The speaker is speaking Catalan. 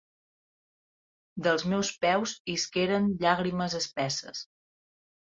Dels meus peus isqueren llàgrimes espesses.